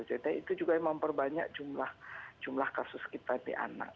jadi itu juga memperbanyak jumlah kasus kita di anak